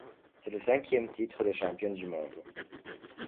C’est le cinquième titre de champion du club.